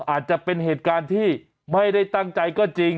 อาจจะเป็นเหตุการณ์ที่ไม่ได้ตั้งใจก็จริง